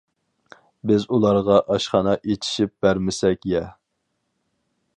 بىز ئۇلارغا ئاشخانا ئىچىشىپ بەرمىسەك يە.